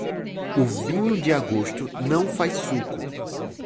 O vinho de agosto não faz suco.